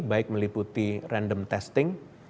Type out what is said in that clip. baik meliputi random testing